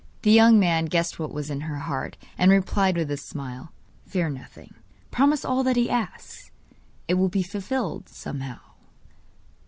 The young man guessed what was in her heart, and replied with a smile: 'Fear nothing. Promise all that he asks; it will be fulfilled somehow.